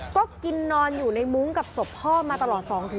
ก็กินนอนอยู่ในมุ้งกับศพพ่อมาตลอด